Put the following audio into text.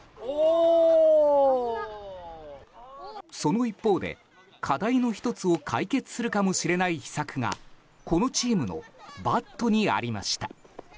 その一方で、課題の１つを解決するかもしれない秘策がこのチームのバットにありました。